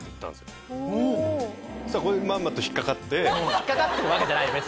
引っかかってるわけじゃないよ。